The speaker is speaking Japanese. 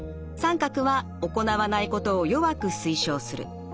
△は行わないことを弱く推奨する。